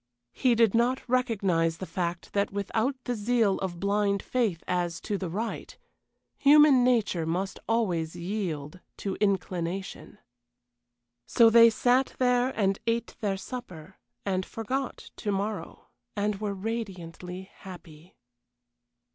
He did not recognize the fact that without the zeal of blind faith as to the right, human nature must always yield to inclination. So they sat there and ate their supper, and forgot to morrow, and were radiantly happy.